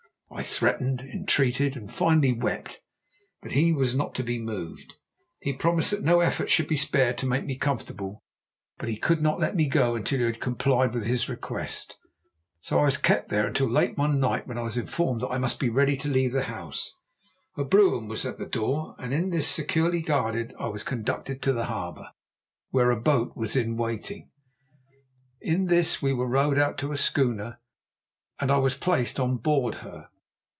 I threatened, entreated, and finally wept, but he was not to be moved. He promised that no effort should be spared to make me comfortable, but he could not let me go until you had complied with his request. So I was kept there until late one night, when I was informed that I must be ready to leave the house. A brougham was at the door and in this, securely guarded, I was conducted to the harbour, where a boat was in waiting. In this we were rowed out to a schooner, and I was placed on board her.